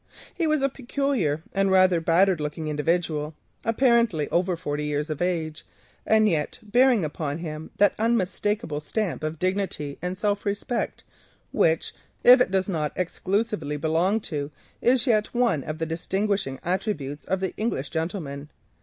He was a peculiar and rather battered looking individual, apparently over forty years of age, and yet bearing upon him that unmistakable stamp of dignity and self respect which, if it does not exclusively belong to, is still one of the distinguishing attributes of the English gentleman.